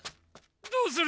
どうする？